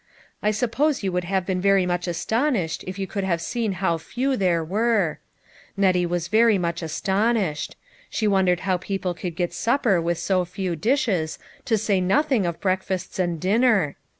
I suppose you would hjfve been very much astonished if you could have seen how few there were ! Nettie was very much astonished. She wondered how people could get supper with so few dishes, to say noth ing of breakfasts and dinner.